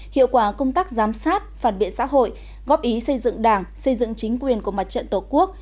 hiệu quả công tác giám sát phản biện xã hội góp ý xây dựng đảng xây dựng chính quyền của mặt trận tổ quốc